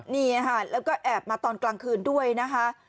นี่ค่ะแล้วก็แอบมาตอนกลางคืนด้วยนะคะ